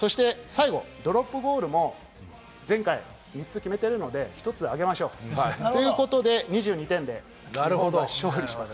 そして最後、ドロップゴールも前回３つ決めているので、１つあげましょう。ということで２２点で勝利します。